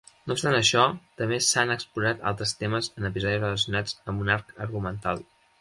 No obstant això, també s'han explorat altres temes en episodis relacionats amb un arc argumental.